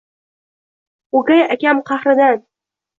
O’gay akam qahridan